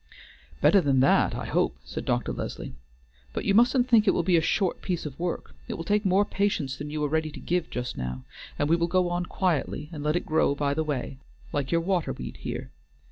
"Better than that, I hope," said Dr. Leslie. "But you mustn't think it will be a short piece of work; it will take more patience than you are ready to give just now, and we will go on quietly and let it grow by the way, like your water weed here.